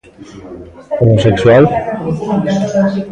¿Homosexual?